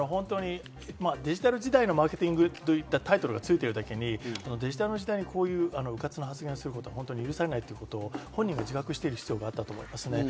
デジタル時代のマーケティングといったタイトルがついてるだけにデジタルの時代にうかつな発言をすることは許されないということを本人が自覚する必要があると思います。